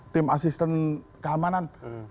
tim asisten keamanan